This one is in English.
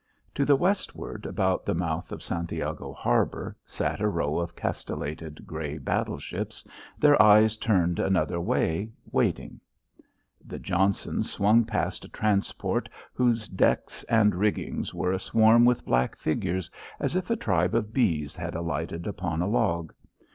To the westward, about the mouth of Santiago harbour, sat a row of castellated grey battleships, their eyes turned another way, waiting. The Johnson swung past a transport whose decks and rigging were aswarm with black figures, as if a tribe of bees had alighted upon a log.